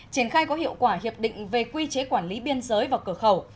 triển khai có hiệu quả hiệp định về quy chế quản lý biên giới và cửa khẩu